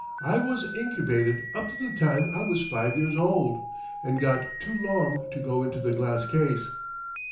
I was incubated up to the time I was five years old, and got too long to go in the glass case."